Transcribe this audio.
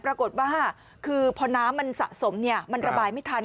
ปรากฏว่าคือพอน้ำมันสะสมมันระบายไม่ทัน